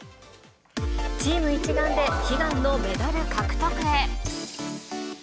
チーム一丸で悲願のメダル獲得へ。